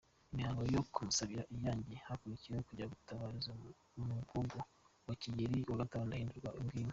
Imihango yo kumusabira irangiye hakurikiyeho kujya gutabariza umugogo wa Kigeli V Ndahindurwa i Mwima.